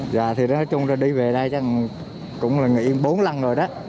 dạ thì nói chung ra đi về đây chắc cũng là nghỉ bốn lần rồi đó